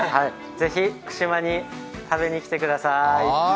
是非、串間に食べに来てください。